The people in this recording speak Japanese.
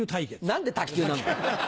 何で卓球なんだよ。